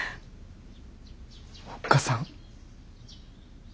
おっかさん？